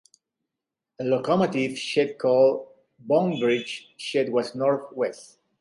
A locomotive shed called Bonnybridge Shed was north west.